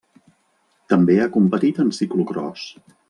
També ha competit en ciclocròs.